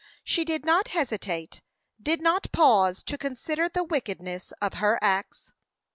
She did not hesitate, did not pause to consider the wickedness of her acts.